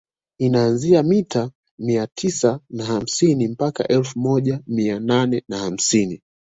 Inaanzia mita mia tisa na hamsini mpaka elfu moja mia nane na hamsini